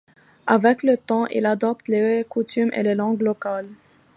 Avec le temps, ils adoptent les coutumes et les langues locales.